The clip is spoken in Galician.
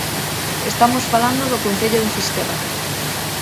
Estamos falando do Concello de Fisterra.